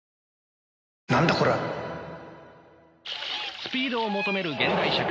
スピードを求める現代社会。